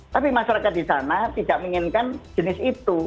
tapi masyarakat di sana tidak menginginkan jenis itu